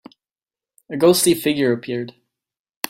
A ghostly figure appeared.